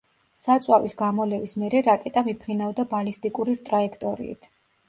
საწვავის გამოლევის მერე რაკეტა მიფრინავდა ბალისტიკური ტრაექტორიით.